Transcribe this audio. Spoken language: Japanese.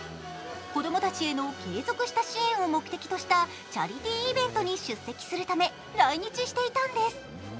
子供たちへの継続した支援を目的としたチャリティーイベントに出席するため来日していたんです。